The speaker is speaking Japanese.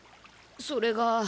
それが。